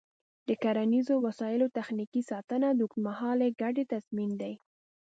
د کرنیزو وسایلو تخنیکي ساتنه د اوږدمهاله ګټې تضمین دی.